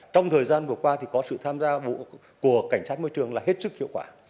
trong thời gian vừa qua thì có sự tham gia của cảnh sát môi trường là hết sức hiệu quả